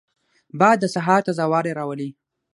باد د سهار تازه والی راولي